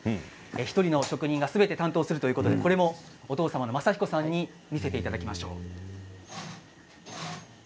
１人の職人がすべて担当するということで、これもお父様の雅彦さんに見せていただきましょう。